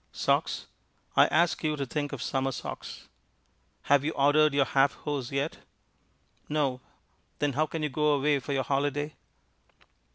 Socks; I ask you to think of summer socks. Have you ordered your half hose yet? No. Then how can you go away for your holiday?